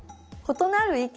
「○なる意見」？